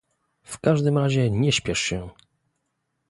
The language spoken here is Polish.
"W każdym razie nie śpiesz się!"